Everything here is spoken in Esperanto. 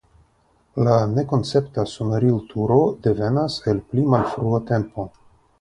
La nekoncepta sonorilturo devenas el pli malfrua tempo.